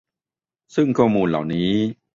ซึ่งข้อมูลเหล่านี้